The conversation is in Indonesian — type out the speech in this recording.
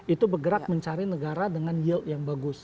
itu bergerak mencari negara dengan yield yang bagus